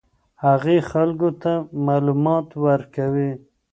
هغې خلکو ته معلومات ورکوي.